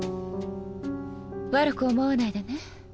悪く思わないでね。